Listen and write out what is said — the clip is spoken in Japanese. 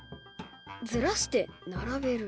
ずらして並べる？